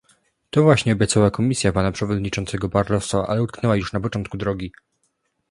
To właśnie obiecała Komisja pana przewodniczącego Barroso, ale utknęła już na początku drogi